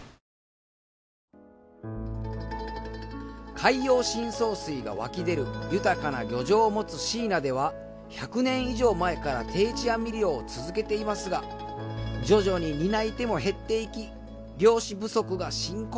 海洋深層水が湧き出る豊かな漁場を持つ椎名では１００年以上前から定置網漁を続けていますが徐々に担い手も減っていき漁師不足が深刻化。